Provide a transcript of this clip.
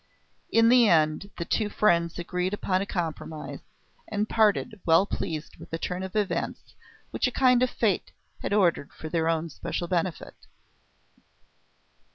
In the end, the two friends agreed upon a compromise, and parted well pleased with the turn of events which a kind Fate had ordered for their own special benefit.